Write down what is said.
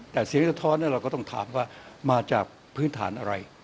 แต่สิ่งที่สะท้อนเราก็ต้องถามว่ามาจากพื้นฐานอะไร